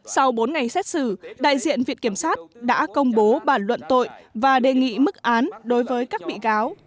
sau bốn ngày xét xử đại diện viện kiểm sát đã công bố bản luận tội và đề nghị mức án đối với các bị cáo